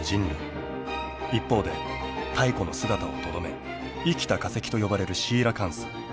一方で太古の姿をとどめ「生きた化石」と呼ばれるシーラカンス。